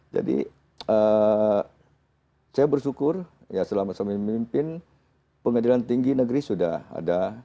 saya bersyukur ya selama saya memimpin pengadilan tinggi negeri sudah ada